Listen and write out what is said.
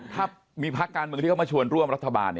ถ้ามีภาคการเมืองก็มาชวนร่วมรัฐบาลเนี่ย